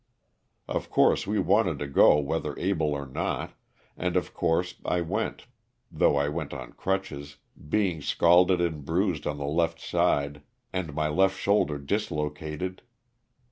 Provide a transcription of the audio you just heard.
Of course we wanted to go whether able or not, and of course I went though I went on crutches, being scalded and bruised on the left side and my left shoulder dislocated.